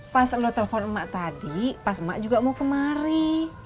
pas lo telpon emak tadi pas emak juga mau kemari